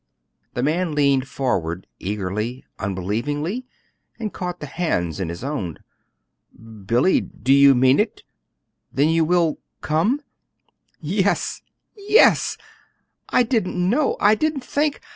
The man leaned forward eagerly, unbelievingly, and caught the hands in his own. "Billy, do you mean it? Then you will come?" "Yes, yes! I didn't know I didn't think.